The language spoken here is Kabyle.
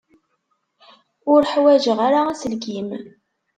Ur ḥwajeɣ ara aselkim.